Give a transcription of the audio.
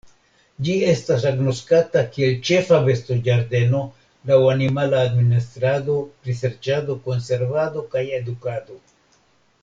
Ĝi estas agnoskata kiel ĉefa bestoĝardeno laŭ animala administrado, priserĉado, konservado, kaj edukado.